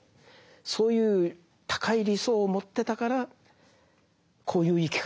そういう高い理想を持ってたからこういう生き方ができたんですよね。